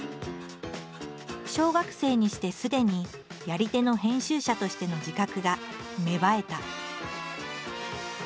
小学生にしてすでにやり手の編集者としての自覚が芽生えた。